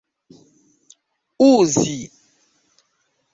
uzi